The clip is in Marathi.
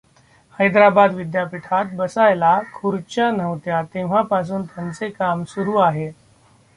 हैदराबाद विद्यापीठात, बसायला खुच्र्या नव्हत्या तेव्हापासून त्यांचे काम सुरू आहे.